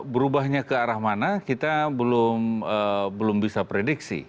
berubahnya ke arah mana kita belum bisa prediksi